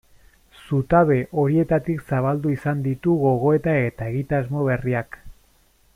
Zutabe horietatik zabaldu izan ditu gogoeta eta egitasmo berriak.